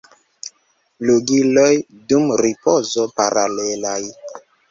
Flugiloj dum ripozo paralelaj.